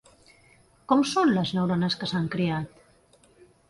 Com són les neurones que s'han creat?